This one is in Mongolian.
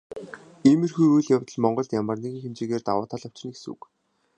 Иймэрхүү үйл явдал Монголд ямар нэгэн хэмжээгээр давуу тал авчирна гэсэн үг.